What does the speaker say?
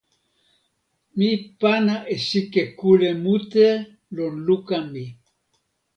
mi pana e sike kule mute lon luka mi.